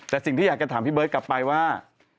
แต่สิ่งที่อยากจะถามพี่เบิร์ตกลับไปว่า